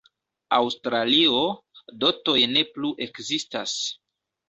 Aŭstralio, dotoj ne plu ekzistas.